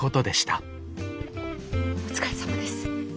お疲れさまです。